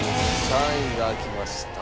３位が開きました。